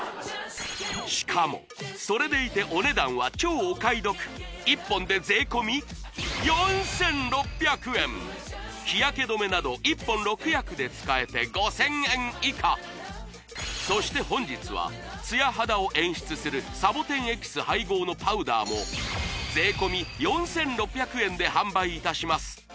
しかもそれでいてお値段は超お買い得１本で日焼け止めなど１本６役で使えて５０００円以下そして本日はツヤ肌を演出するサボテンエキス配合のパウダーもで販売いたします